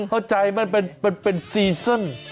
เข้าใจมันเป็นซีซั่น